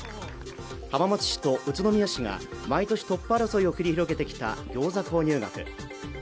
浜松市と宇都宮市が毎年トップ争いを繰り広げてきた餃子購入額